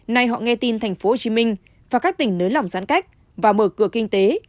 nay họ nghe tin thành phố hồ chí minh và các tỉnh nới lỏng giãn cách và mở cửa kinh tế